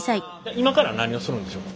今から何をするんでしょうか？